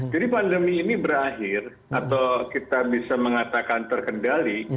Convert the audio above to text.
jadi pandemi ini berakhir atau kita bisa mengatakan terkendali